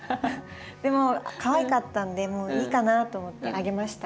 でもかわいかったんでもういいかなと思ってあげました。